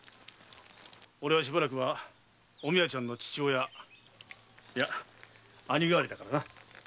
俺はしばらくはお美和ちゃんの父親いや兄代わりだからな。